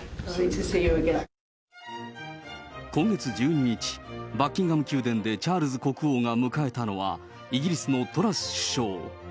今月１２日、バッキンガム宮殿でチャールズ国王が迎えたのは、イギリスのトラス首相。